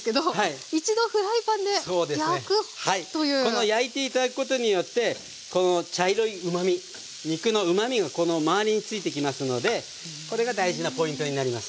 この焼いて頂くことによって茶色いうまみ肉のうまみがこの周りに付いてきますのでこれが大事なポイントになります。